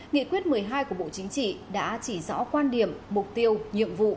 nghị quyết một mươi hai của bộ chính trị đã chỉ rõ quan điểm mục tiêu nhiệm vụ